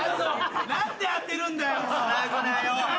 何で当てるんだよ！？